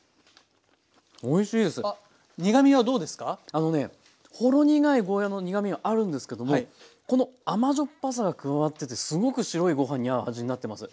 あのねほろ苦いゴーヤーの苦みはあるんですけどもこの甘じょっぱさが加わっててすごく白いご飯に合う味になってます。